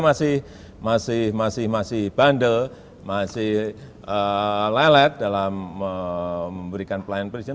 masih masih masih masih bandel masih lelet dalam memberikan pelayanan perizinan